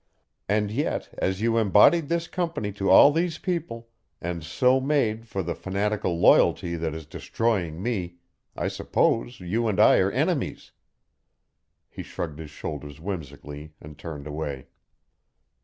And yet, as you embodied this Company to all these people, and so made for the fanatical loyalty that is destroying me, I suppose you and I are enemies!" He shrugged his shoulders whimsically and turned away.